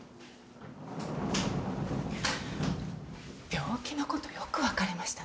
病気のことよく分かりましたね。